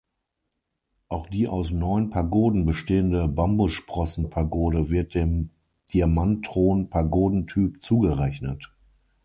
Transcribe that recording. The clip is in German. Auch die aus neun Pagoden bestehende Bambussprossen-Pagode wird dem Diamantthron-Pagoden-Typ zugerechnet.